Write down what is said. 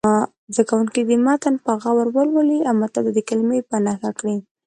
زده کوونکي دې متن په غور ولولي او متضادې کلمې په نښه کړي.